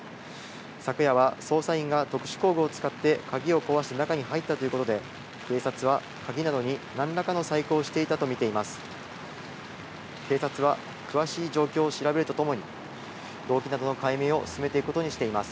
昨夜は捜査員が特殊工具を使って鍵を壊して中に入ったということで警察は鍵などに何らかの細工をしていたと見ています。